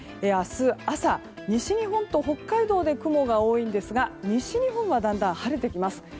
明日朝西日本と北海道で雲が多いんですが西日本はだんだん晴れてきます。